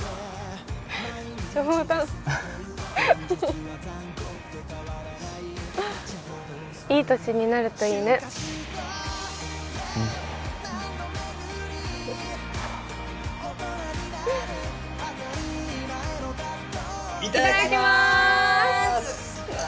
冗談いい年になるといいねうんいただきまーすうわ